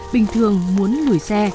bình thường muốn lùi xe